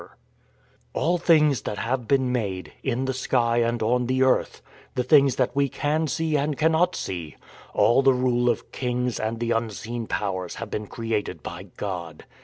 126 THE FORWARD TREAD "All things that have been made, in the sky and on the earth, the things that we can see and cannot see — all the rule of kings and the unseen powers have been created by God.